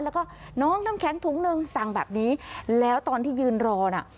แล้วก็น้องน้ำแข็งถุงหนึ่งสั่งแบบนี้แล้วตอนที่ยืนรอน่ะ